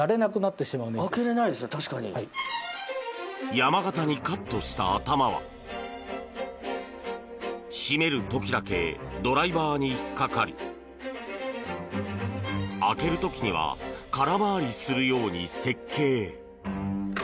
山型にカットした頭は締める時だけドライバーに引っ掛かり開ける時には空回りするように設計。